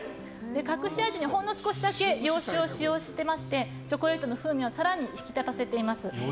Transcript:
隠し味にほんの少しだけ洋酒を使用してチョコレートの風味を更に引き立たせています。